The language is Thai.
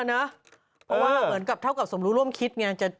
เพราะว่าเหมือนกับเท่ากับสมรู้ร่วมคิดไง